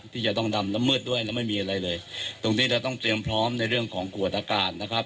ที่จะต้องดำน้ำมืดด้วยแล้วไม่มีอะไรเลยตรงนี้เราต้องเตรียมพร้อมในเรื่องของกวดอากาศนะครับ